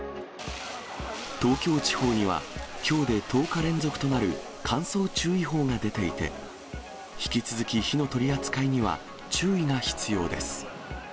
東京地方にはきょうで１０日連続となる乾燥注意報が出ていて、引き続き火の取り扱いには注意が必要です。